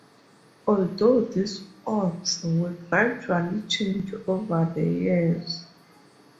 Although these oaths were gradually changed over the years.